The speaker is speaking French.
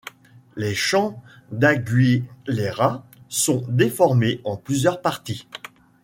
Les chants d'Aguilera sont déformés en plusieurs parties.